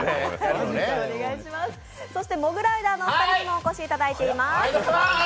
モグライダーのお二人にもお越しいただいています。